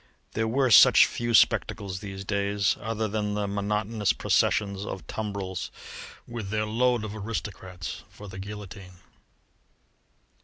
There were such few spectacles these days, other than the monotonous processions of tumbrils with their load of aristocrats for the guillotine!